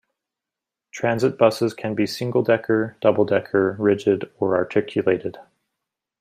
Transit buses can be single-decker, double-decker, rigid or articulated.